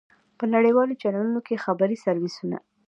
په نړیوالو چېنلونو کې خبري سرویسونه.